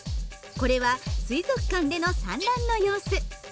これは水族館での産卵の様子。